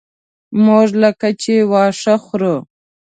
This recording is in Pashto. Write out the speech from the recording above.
موږ لکه چې واښه خورو.